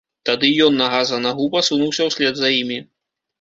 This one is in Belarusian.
Тады й ён нага за нагу пасунуўся ўслед за імі.